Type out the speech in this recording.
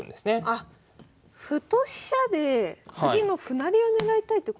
あっ歩と飛車で次の歩成りを狙いたいってことなんですか？